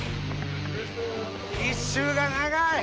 １周が長い！